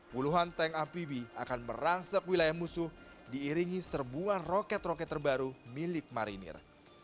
puluhan tank amfibi akan merangsek wilayah musuh diiringi serbuan roket roket terbaru milik marinir